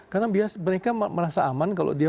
karena biasanya mereka merasa aman kalau dia